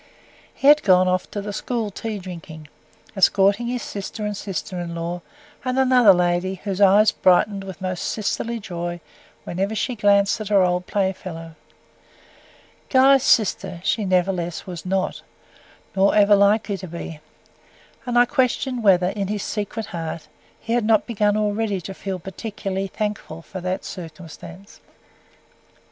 He had gone off to the school tea drinking, escorting his sister and sister in law, and another lady, whose eyes brightened with most "sisterly" joy whenever she glanced at her old playfellow. Guy's "sister" she nevertheless was not, nor was ever likely to be and I questioned whether, in his secret heart, he had not begun already to feel particularly thankful for that circumstance.